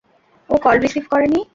ও call receive করেনি।